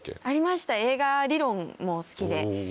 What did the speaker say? ありました映画理論も好きで。